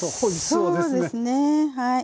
そうですねはい。